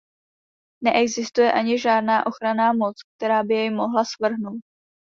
Neexistuje ani žádná ochranná moc, která by jej mohla svrhnout.